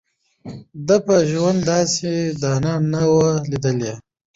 ده په ژوند داسي دانه نه وه لیدلې